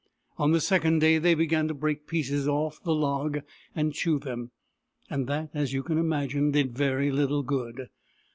On the second day they began to break pieces off the log and chew them, and that, as you can imagine, did very little good.